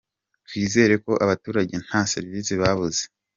Twizera ko abaturage nta serivisi babuze.